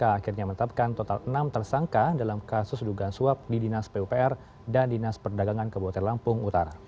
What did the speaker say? akhirnya menetapkan total enam tersangka dalam kasus dugaan suap di dinas pupr dan dinas perdagangan kabupaten lampung utara